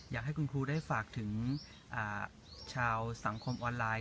อยากให้คุณครูได้ฝากถึงชาวสังคมออนไลน์